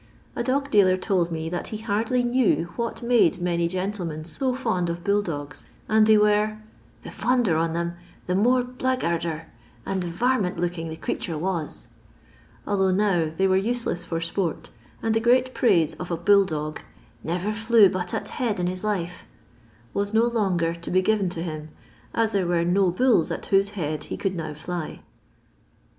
A dog dealer told me that he hardly knew what made many gentle men so fond of bull dogs, and they were "th6 fonder on 'em the more blackguarder and, varmint looking the creatures was," although now they were useless for sport, and the great praise of a bull dog, " never fiew but at head in his life,'* was no longer to be given to him, as there were no bulls at whose heads he could now fly.